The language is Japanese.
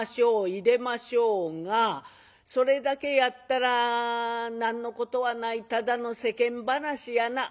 入れましょうがそれだけやったら何のことはないただの世間話やな」。